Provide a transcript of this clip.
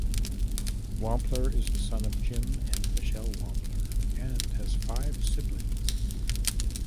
Wampler is the son of Jim and Michelle Wampler and has five siblings.